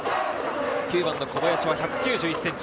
９番の小林は１９１ｃｍ。